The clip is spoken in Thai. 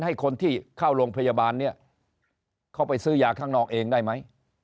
ให้คนที่เข้าโรงพยาบาลเนี่ยเข้าไปซื้อยาข้างนอกเองได้ไหม